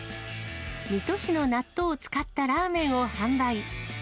水戸市の納豆を使ったラーメンを販売。